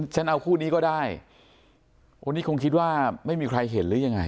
ฉันเอาคู่นี้ก็ได้วันนี้คงคิดว่าไม่มีใครเห็นหรือยังไง